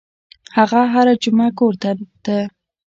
هغه هره جمعه کور ته ته.